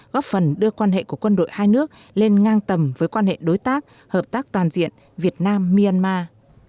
góp phần đưa quan hệ của quân đội hai nước lên ngang tầm với quan hệ đối tác hợp tác toàn diện việt nam myanmar